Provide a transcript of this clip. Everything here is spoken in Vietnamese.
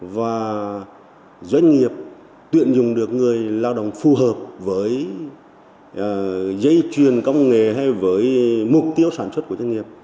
và doanh nghiệp tuyện dùng được người lao động phù hợp với dây truyền công nghề hay với mục tiêu sản xuất của doanh nghiệp